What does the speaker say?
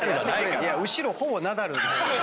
後ろほぼナダル。